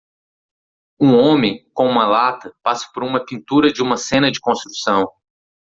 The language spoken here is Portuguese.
Um homem com uma lata passa por uma pintura de uma cena de construção.